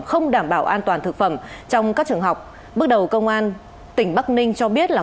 không đảm bảo an toàn thực phẩm trong các trường học bước đầu công an tỉnh bắc ninh cho biết là